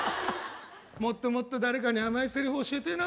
もっともっと誰かにあまいセリフ教えてえな。